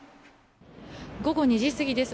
午後２時過ぎです。